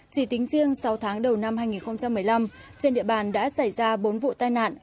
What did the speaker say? chỉ tính riêng sáu tháng đầu năm hai nghìn một mươi năm trên địa bàn đã xảy ra bốn vụ tai nạn